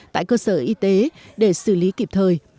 tại cơ sở y tế để xử lý kịp thời